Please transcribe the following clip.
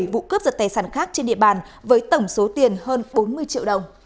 bảy vụ cướp giật tài sản khác trên địa bàn với tổng số tiền hơn bốn mươi triệu đồng